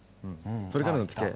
それからのつきあい？